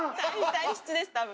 体質です多分。